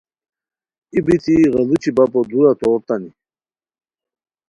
ای بیتی غیڑوچی بپو دُورہ تورتانی